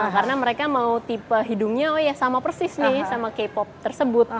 karena mereka mau tipe hidungnya oh ya sama persis nih sama k pop tersebut